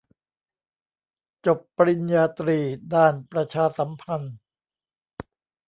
จบปริญญาตรีด้านประชาสัมพันธ์